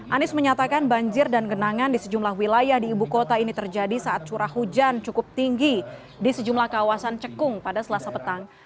anies menyatakan banjir dan genangan di sejumlah wilayah di ibu kota ini terjadi saat curah hujan cukup tinggi di sejumlah kawasan cekung pada selasa petang